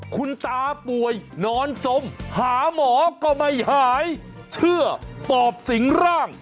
คุณตาป่วยนอนสมหาหมอก็ไม่หายเชื่อปอบสิงร่าง